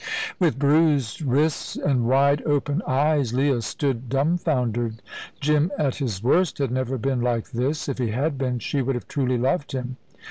With bruised wrists and wide open eyes Leah stood dumfoundered. Jim, at his worst, had never been like this. If he had been she would have truly loved him.